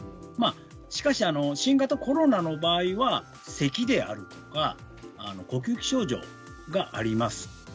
しかし新型コロナの場合はせきであるとか呼吸器症状があります。